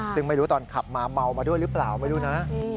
ซึ่งไม่รู้ตอนขับมาเมามาด้วยหรือเปล่าไม่รู้นะ